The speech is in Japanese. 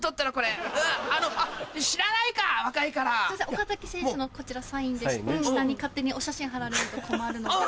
岡崎選手のこちらサインでして下に勝手にお写真張られると困るので。